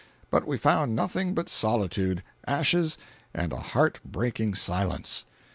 But we found nothing but solitude, ashes and a heart breaking silence.